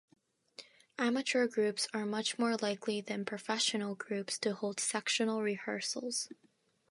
Amateur groups are much more likely than professional groups to hold sectional rehearsals.